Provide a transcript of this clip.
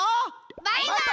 バイバイ！